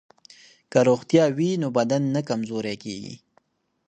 که روغتیا وي نو بدن نه کمزوری کیږي.